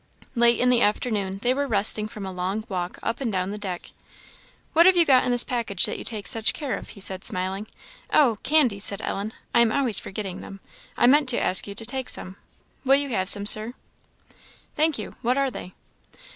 Late in the afternoon they were resting from a long walk up and down the deck. "What have you got in this package that you take such care of?" said he, smiling. "Oh, candies," said Ellen; "I am always forgetting them. I meant to ask you to take some. Will you have some, Sir?" "Thank you. What are they?"